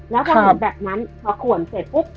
แล้วพอเห็นแบบนั้นพอขวนเสร็จปุ๊บ